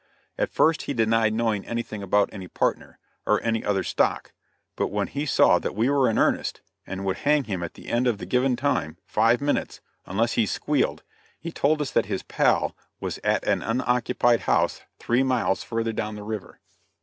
At first he denied knowing anything about any partner, or any other stock; but when he saw that we were in earnest, and would hang him at the end of the given time five minutes unless he "squealed," he told us that his "pal" was at an unoccupied house three miles further down the river.